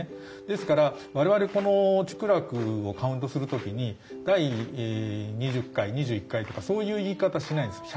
ですから我々この竹楽をカウントする時に第２０回２１回とかそういう言い方しないんですよ。